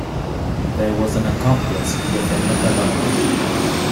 There was an accomplice within the villa.